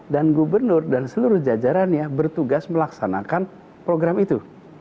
dan gubernur dan seluruh jajarannya bertugas melaksanakan program itu